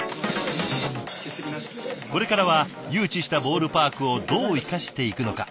これからは誘致したボールパークをどう生かしていくのか。